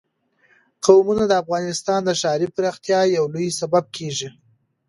قومونه د افغانستان د ښاري پراختیا یو لوی سبب کېږي.